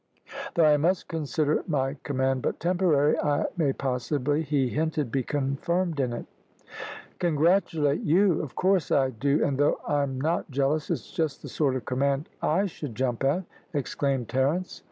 Though I must consider my command but temporary, I may possibly, he hinted, be confirmed in it." "Congratulate you! Of course I do, and though I'm not jealous, it's just the sort of command I should jump at," exclaimed Terence.